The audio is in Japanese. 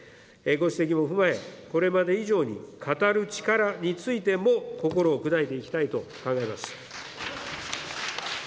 ご指摘も踏まえ、これまで以上に語る力についても、心を砕いていきたいと考えます。